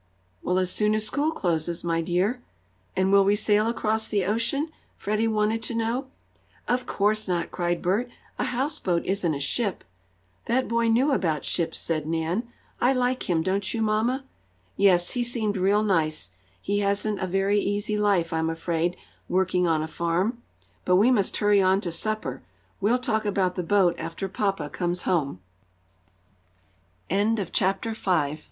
"Well, as soon as school closes, my dear." "And will we sail across the ocean?" Freddie wanted to know. "Of course not!" cried Bert. "A houseboat isn't a ship." "That boy knew about ships," said Nan. "I like him, don't you, mamma?" "Yes, he seemed real nice. He hasn't a very easy life, I'm afraid, working on a farm. But we must hurry on to supper. We'll talk about the boat after papa comes home." CHAPTER VI FREDDIE'S FIRE ENGINE "Papa, when can we go sailing in the houseboat?"